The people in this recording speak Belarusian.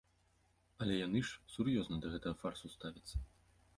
Але яны ж сур'ёзна да гэтага фарсу ставяцца.